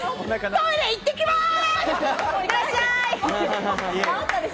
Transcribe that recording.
トイレ行ってきます！